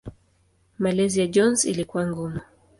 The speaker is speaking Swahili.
Malezi ya Jones ilikuwa ngumu.